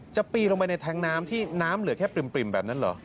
ปีนลงไปในแท้งน้ำที่น้ำเหลือแค่ปริ่มแบบนั้นเหรอ